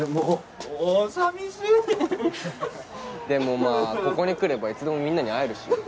でもまぁここに来ればいつでもみんなに会えるし。